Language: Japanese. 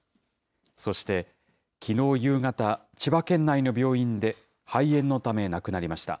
そして、きのう夕方、千葉県内の病院で肺炎のため亡くなりました。